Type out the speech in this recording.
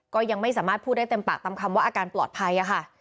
ก็ยังไม่สามารถพูดได้เต็มปากตามคำว่าอาการปลอดภัยค่ะ